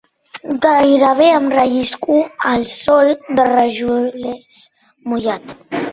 Gairebé em rellisco al sòl de rajoles mullat.